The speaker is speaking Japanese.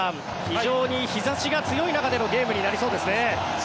非常に日差しが強い中でのゲームになりそうですね。